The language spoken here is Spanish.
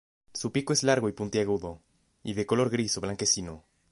Su pico es largo y puntiagudo, y de color gris o blanquecino.